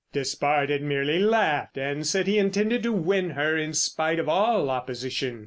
Despard had merely laughed and said he intended to win her in spite of all opposition.